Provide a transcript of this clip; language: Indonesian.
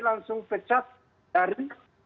langsung pecat dari